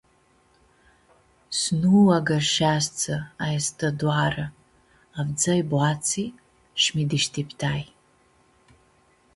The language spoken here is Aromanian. S-nu u-agãrsheshtsã aestã doarã, avdzãi boatsi shi mi-dishtiptai.